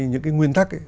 những cái nguyên thắc ấy